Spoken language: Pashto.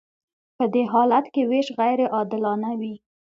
په دې حالت کې ویش غیر عادلانه وي.